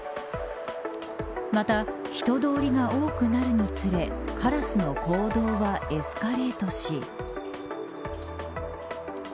また人通りが多くなるにつれカラスの行動はエスカレートし。